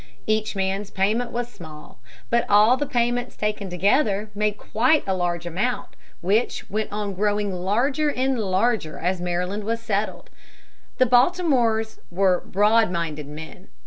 Each man's payment was small. But all the payments taken together, made quite a large amount which went on growing larger and larger as Maryland was settled. The Baltimores were broad minded men.